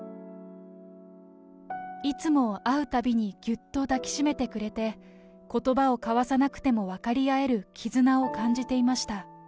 いつも会うたびにぎゅっと抱きしめてくれて、ことばを交わさなくても分かり合える絆を感じていました。